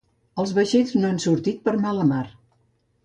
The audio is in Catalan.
Els vaixells no han sortit per mala mar.